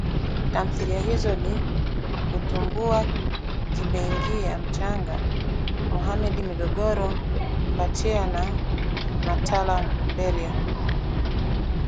Tamthilia hizo ni; Kitumbua Kimeingia Mchanga Mohamed Migogoro Mbatiah na Natala Mberia